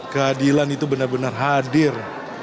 keadilan itu benar benar hadir